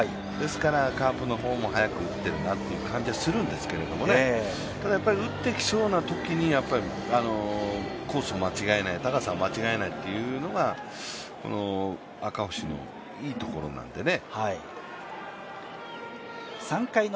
カープの方も早く打ってるなという感じはするんですけどね、ただ打ってきそうなときにコースを間違えない、高さを間違えないというのが赤星のいいところなんでね。